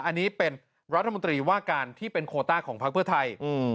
อันนี้เป็นรัฐมนตรีว่าการที่เป็นโคต้าของพักเพื่อไทย